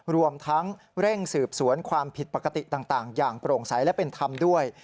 รวมทั้งเร่งสืบสวนความผิดปกติต่างอย่างโปร่งใสและเป็นธรรมด้วย